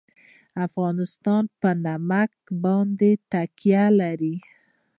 افغانستان په نمک باندې تکیه لري.